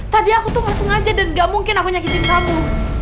tadi aku tuh gak sengaja dan gak mungkin aku nyakitin kamu